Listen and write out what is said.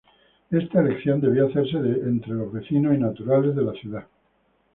Esta elección debía hacerse de entre los vecinos y naturales de la ciudad.